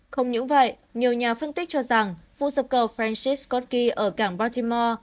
không những vậy nhiều nhà phân tích cho rằng vụ sập cầu francis scott key ở cảng baltimore